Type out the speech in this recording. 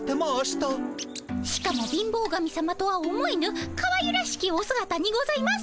しかも貧乏神さまとは思えぬかわゆらしきおすがたにございます。